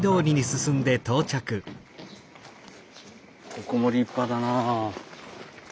ここも立派だなあ。